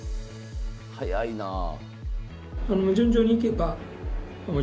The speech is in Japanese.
早いなあ。